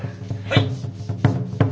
はい！